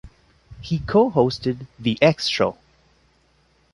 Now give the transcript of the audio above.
He co-hosted "The X Show".